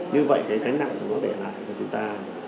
như vậy cái gánh nặng nó để lại cho chúng ta